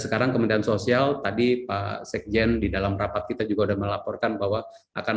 sekarang kementerian sosial tadi pak sekjen di dalam rapat kita juga udah melaporkan bahwa akan